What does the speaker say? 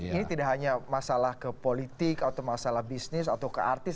ini tidak hanya masalah ke politik atau masalah bisnis atau ke artis